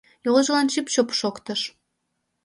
Йолжылан чып-чоп шоктыш.